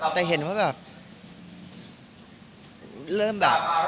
แต่เห็นว่าแบบ